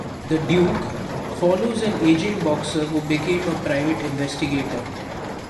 "The Duke" follows an aging boxer who became a private investigator.